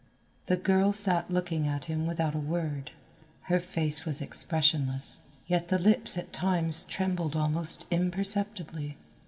The girl sat looking at him without a word. Her face was expressionless, yet the lips at times trembled almost imperceptibly.